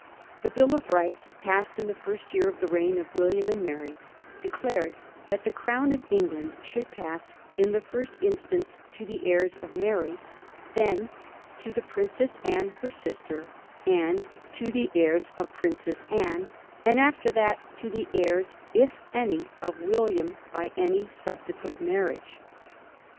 The Bill of Rights, passed in the first year of the reign of William and Mary, declared that the crown of England should pass in the first instance to the heirs of Mary, then to the Princess Anne, her sister, and to the heirs of the Princess Anne, and after that to the heirs, if any, of William by any subsequent marriage.